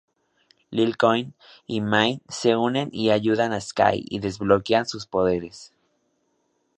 Lincoln y May se unen y ayudan a Skye y desbloquean sus poderes.